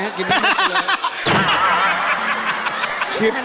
ถ้ากินนักเม็ดเสียดาย